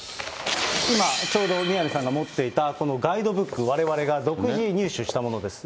今、ちょうど宮根さんが持っていたこのガイドブック、われわれが独自入手したものです。